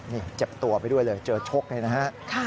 นี่เจ็บตัวไปด้วยเลยเจอชกเลยนะฮะ